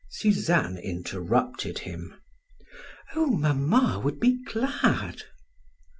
Suzanne interrupted him: "Oh, mamma would be glad."